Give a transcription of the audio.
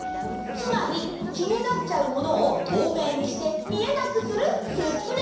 つまりきになっちゃうものをとうめいにしてみえなくするスプレー！